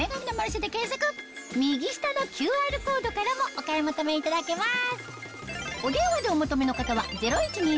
右下のＱＲコードからもお買い求めいただけます